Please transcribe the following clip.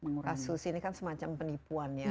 nah ini khusus ini kan semacam penipuan ya